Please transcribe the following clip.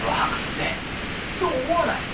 ねぇそう思わない？